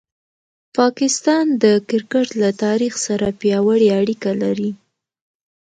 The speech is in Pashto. پاکستان د کرکټ له تاریخ سره پیاوړې اړیکه لري.